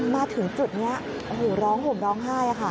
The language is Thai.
มาถึงจุดนี้โอ้โหร้องห่มร้องไห้ค่ะ